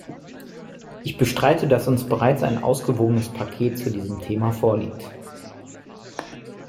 Ich bestreite, dass uns bereits ein ausgewogenes Paket zu diesem Thema vorliegt.